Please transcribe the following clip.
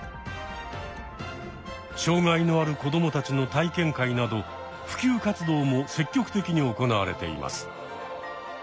障害のある子どもたちの体験会など普及活動も積極的に行われています。